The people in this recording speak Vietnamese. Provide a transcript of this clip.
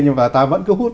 nhưng mà ta vẫn cứ hút